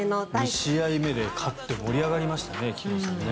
２試合目で勝って盛り上がりましたね。